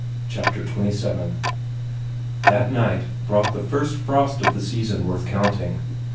CHAPTER XXVII That night brought the first frost of the season worth counting.